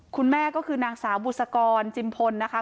คุณแม่ก็คือนางสาวบุษกรจิมพลนะคะ